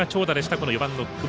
この４番の久保。